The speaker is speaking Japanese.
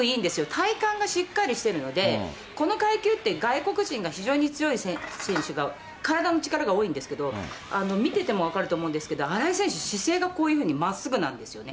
体幹がしっかりしてるので、この階級って、外国人が非常に強い選手が、体の力が多いんですけれども、見てても分かると思うんですけども、新井選手、姿勢がこういうふうにまっすぐなんですよね。